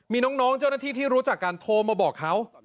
มีน้องเจ้าหน้าที่ที่รู้จักกันโทรมาบอกเขา